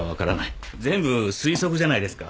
全部推測じゃないですか。